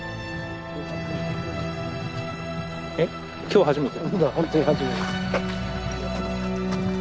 えっ今日初めて？